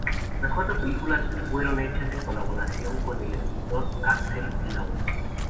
Las cuatro películas fueron hechas en colaboración con el escritor Alex Law.